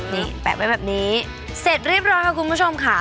นี่แปะไว้แบบนี้เสร็จเรียบร้อยค่ะคุณผู้ชมค่ะ